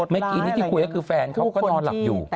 กินกเลี่ยงที่คุยกับคือแฟนก็นอนหลับอยู่